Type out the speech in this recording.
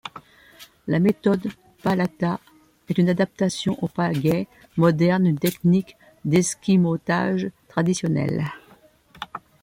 La méthode Pawlata est une adaptation aux pagaies modernes d'une technique d'esquimautage traditionnelle.